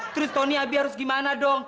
terus tony abi harus gimana dong